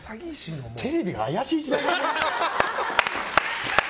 テレビが怪しい時代だね。